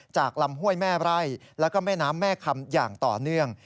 ลำห้วยแม่ไร่แล้วก็แม่น้ำแม่คำอย่างต่อเนื่อง